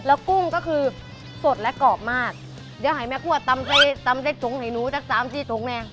แล้วกุ้งก็คือสดและกรอบมากเดี๋ยวหายแม่คั่วตำใจตรงไหนนู้จาก๓๔ตรงเนี่ย